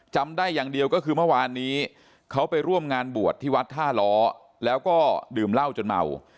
ได้อย่างเดียวก็คือเมื่อวานนี้เขาไปร่วมงานบวชที่วัดท่าล้อแล้วก็ดื่มเหล้าจนเมา